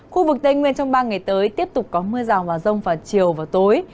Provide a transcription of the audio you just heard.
khu vực tây nguyên trong ba ngày tới tiếp tục có mưa rào vào rông vào chiều và tối